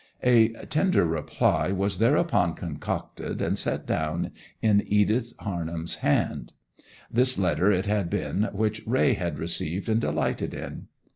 A tender reply was thereupon concocted, and set down in Edith Harnham's hand. This letter it had been which Raye had received and delighted in.